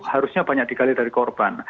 harusnya banyak dikali dari korban